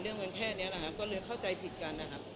เรื่องมันแค่นี้นะครับก็เลยเข้าใจผิดกันนะครับ